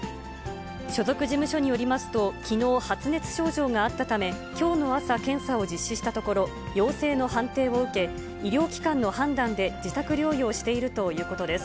所属事務所によりますと、きのう、発熱症状があったため、きょうの朝、検査を実施したところ、陽性の判定を受け、医療機関の判断で自宅療養しているということです。